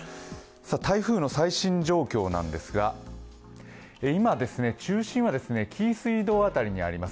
台風の最新状況なんですが、今中心は紀伊水道辺りにあります。